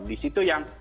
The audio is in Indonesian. di situ yang